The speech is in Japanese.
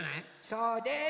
そうです。